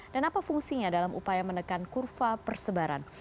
dan apa fungsinya dalam upaya menekan kurva persebaran